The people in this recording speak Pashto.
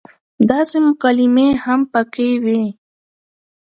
داسې مکالمې هم پکې وې